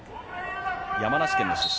山梨県の出身。